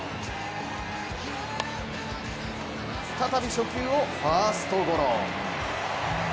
再び初球をファーストゴロ。